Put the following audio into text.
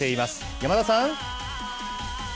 山田さん。